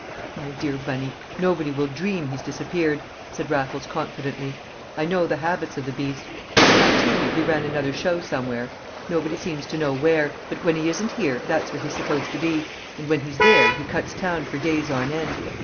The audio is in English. "My dear Bunny, nobody will dream he's disappeared!" said Raffles, confidently. "I know the habits of the beast; didn't I tell you he ran another show somewhere? Nobody seems to know where, but when he isn't here, that's where he's supposed to be, and when he's there he cuts town for days on end.